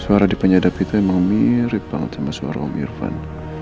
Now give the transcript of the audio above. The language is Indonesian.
suara dipenyadapi itu emang mirip banget sama suara om irvan